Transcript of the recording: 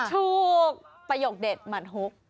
ถูกประโยคเด็ดหมั่นฮุก